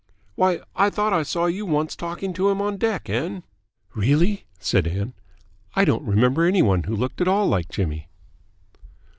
"Why, I thought I saw you once talking to him on deck, Ann." "Really?" said Ann. "I don't remember any one who looked at all like Jimmy."